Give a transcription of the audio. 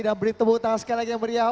dan beritemu tangan sekali lagi yang beriah